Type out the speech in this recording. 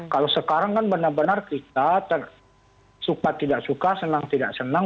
kalau sekarang kan benar benar kita suka tidak suka senang tidak senang